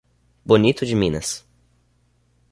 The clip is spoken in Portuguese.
Bonito de Minas